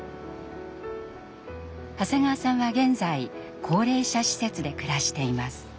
長谷川さんは現在高齢者施設で暮らしています。